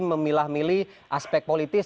memilah milih aspek politis